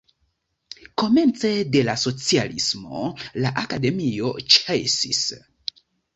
Komence de la socialismo la akademio ĉesis.